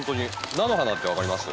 菜の花ってわかります？